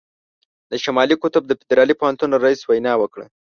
د شمالي قطب د فدرالي پوهنتون رييس وینا وکړه.